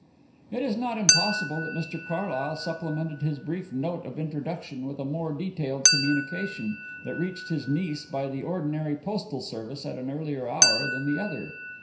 It is not impossible that Mr Carlyle supplemented his brief note of introduction with a more detailed communication that reached his niece by the ordinary postal service at an earlier hour than the other.